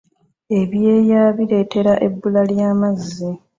Ebyeeya bireetera ebbula ly'amazzi .